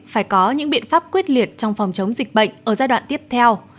phải có những biện pháp quyết liệt trong phòng chống dịch bệnh ở giai đoạn tiếp theo